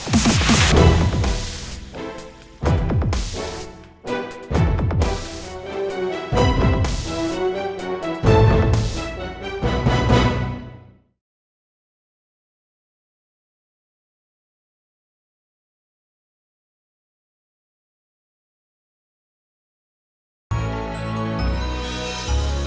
bapak tak ada masalah